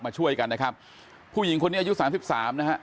ช่วยกันนะครับผู้หญิงคนนี้อายุสามสิบสามนะฮะ